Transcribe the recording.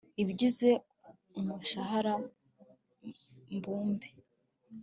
ibigize umushahara mbumbe